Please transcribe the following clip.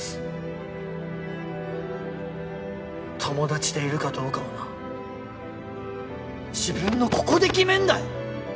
友達でいるかどうかはな自分のここで決めるんだよ！